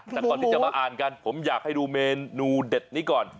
แต่ก่อนที่จะมาอ่านกันผมอยากให้ดูเมนูเด็ดนี้ก่อน